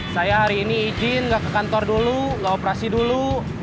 saya hari ini izin nggak ke kantor dulu nggak operasi dulu